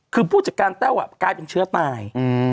คือผู้จัดการแต้วกลายเป็นเชื้อตาย